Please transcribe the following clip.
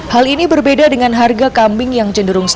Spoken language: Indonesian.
hal ini berbeda dengan harga kambing yang cenderung